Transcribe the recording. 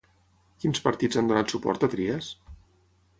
Quins partits han donat suport a Trias?